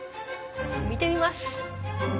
見てみます。